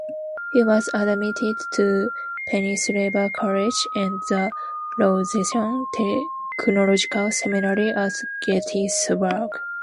He was admitted to Pennsylvania College and the Lutheran Theological Seminary at Gettysburg.